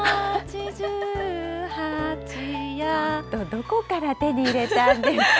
どこから手に入れたんですか。